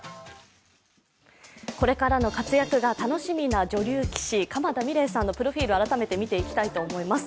これからの活躍が楽しみな女流棋士・鎌田美礼さんのプロフィールを改めて見ていきたいと思います。